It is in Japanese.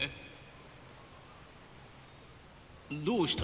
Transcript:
どうした？